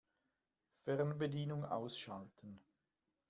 Fernbedienung ausschalten.